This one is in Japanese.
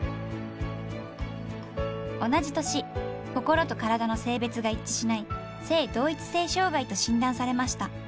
同じ年心と体の性別が一致しない性同一性障害と診断されました。